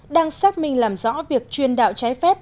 đang xác minh làm rõ việc chuyên đạo trái phép